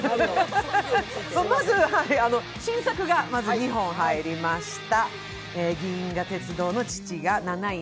まず、新作が２本入りました。